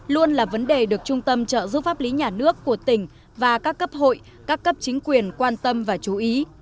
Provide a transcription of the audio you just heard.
luôn là vấn đề được trung tâm trợ giúp pháp lý nhà nước của tỉnh và các cấp hội các cấp chính quyền quan tâm và chú ý